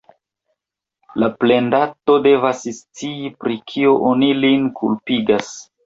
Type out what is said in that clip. La plendato devas scii, pri kio oni lin kulpigas.